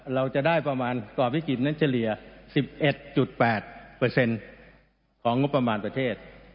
เราจะได้ประมาณกรอบวิกฤตนั้นเฉลี่ย๑๑๘ของงบประมาณประเทศ